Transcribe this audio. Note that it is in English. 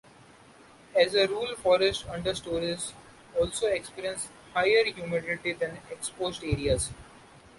As a rule forest understories also experience higher humidity than exposed areas.